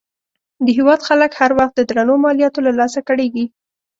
د هېواد خلک هر وخت د درنو مالیاتو له لاسه کړېږي.